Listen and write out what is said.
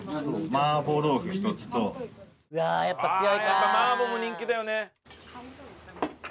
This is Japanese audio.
やっぱ麻婆も人気だよね。